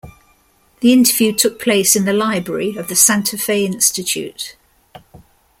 The interview took place in the library of the Santa Fe Institute.